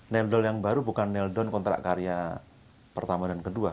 nandol yang baru bukan nail down kontrak karya pertama dan kedua